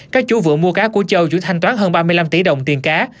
các chủ vượng mua cá của châu chủ thanh toán hơn ba mươi năm tỷ đồng tiền cá